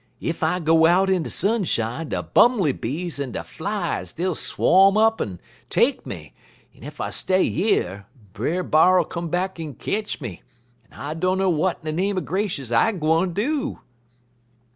Ef I go out in de sunshine, de bumly bees en de flies dey'll swom up'n take me, en if I stay yer, Brer B'ar'll come back en ketch me, en I dunner w'at in de name er gracious I gwine do.'